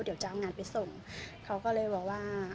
เดี๋ยวจะเอางานไปส่งเขาก็เลยบอกว่า